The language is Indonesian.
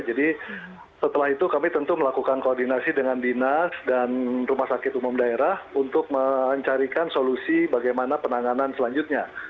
jadi setelah itu kami tentu melakukan koordinasi dengan dinas dan rumah sakit umum daerah untuk mencarikan solusi bagaimana penanganan selanjutnya